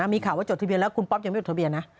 มีข่าวว่าจดทะเบียนแล้วคุณป๊อปยังไม่จดทะเบียนนะ